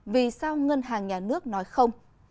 vì sao ngân hàng nhà nước nói không